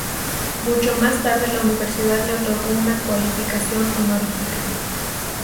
Mucho más tarde la universidad le otorgó una cualificación honorífica.